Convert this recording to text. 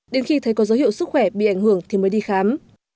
đến khi thấy có dấu hiệu sức khỏe bị ảnh hưởng thì mới đi khám